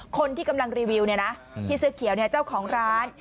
คนที่กำลังรีวิวเนี่ยนะพี่เสื้อเขียวเนี่ยเจ้าของร้าน